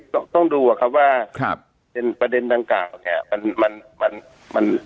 ต้องต้องดูอะครับว่าครับประเด็นดังกล่าวเนี่ยมันมัน